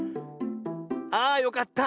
あよかった。